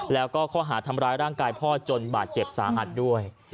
แล้วก็ข้อหาทำร้ายร่างกายพ่อจนบาดเจ็บสาหัสด้วย